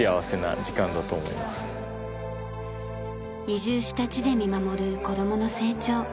移住した地で見守る子どもの成長。